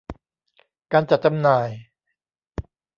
การจัดจำหน่าย